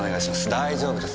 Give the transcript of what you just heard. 大丈夫です。